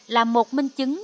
là một minh chứng